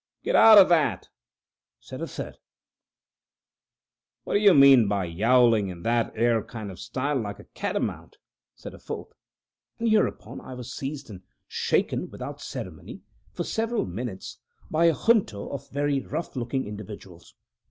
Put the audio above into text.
"Get out o' that!" said a third. "What do you mean by yowling in that ere kind of style, like a cattymount?" said a fourth; and hereupon I was seized and shaken without ceremony, for several minutes, by a junto of very rough looking individuals.